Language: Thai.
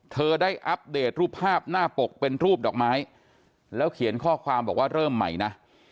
เธอได้อัปเดตรูปภาพหน้าปกเป็นรูปดอกไม้แล้วเขียนข้อความบอกว่าเริ่มใหม่นะ